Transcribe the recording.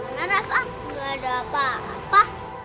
gimana rafa gak ada apa apa